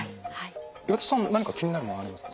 岩田さん何か気になるものありますかね？